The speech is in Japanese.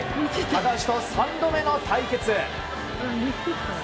高橋と３度目の対決。